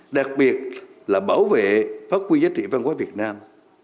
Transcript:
đặc biệt là bảo vệ phát huy giá trị văn hóa việt nam